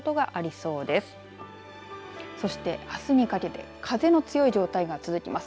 そして、あすにかけて風の強い状態が続きます。